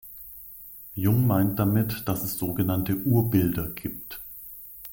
Jung meint damit, dass es sogenannte „Urbilder“ gibt.